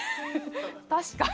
確かに。